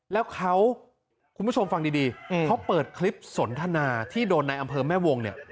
แล้วเขาคุณผู้ชมฟังดีเขาเปิดคลิปสนทนาที่โดนในอำเภอแม่วงเนี่ย